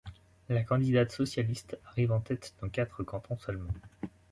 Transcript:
La candidate socialiste arrive en tête dans quatre cantons seulement.